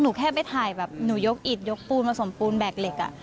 หนูยกอิดยกปูนผสมปูนแบกเหล็ก